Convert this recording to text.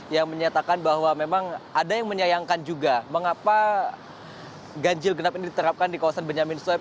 yang menyatakan bahwa memang ada yang menyayangkan juga mengapa ganjil genap ini diterapkan di kawasan benyamin sueb